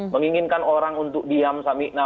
menginginkan orang untuk diam samikna